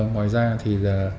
ngoài ra thì